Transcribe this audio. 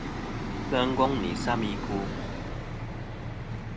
Ghɨ kya Ngong nɨ isam i kwo.